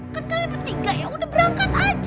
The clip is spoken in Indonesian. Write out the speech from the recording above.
kan kalian bertiga ya udah berangkat aja